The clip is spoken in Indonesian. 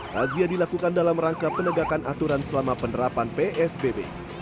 razia dilakukan dalam rangka penegakan aturan selama penerapan psbb